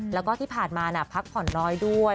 แล้วก็ที่ผ่านมาพักผ่อนน้อยด้วย